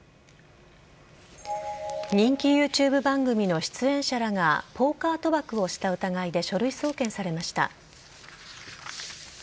人気ＹｏｕＴｕｂｅ番組の出演者らがポーカー賭博をした疑いで書類送検されました。